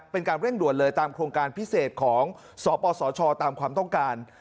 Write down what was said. เป็นการเร่งด่วนเลยตามโครงการพิเศษของสปสชตามความต้องการ